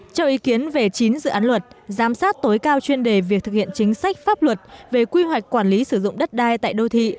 cho ý kiến về chín dự án luật giám sát tối cao chuyên đề việc thực hiện chính sách pháp luật về quy hoạch quản lý sử dụng đất đai tại đô thị